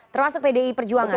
termasuk pdi perjuangan